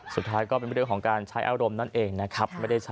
สุดท้ายก็เป็นเรื่องของการใช้อารมณ์นั่นเองนะครับ